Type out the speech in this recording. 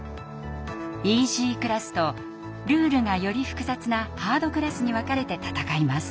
イージークラスとルールがより複雑なハードクラスに分かれて戦います。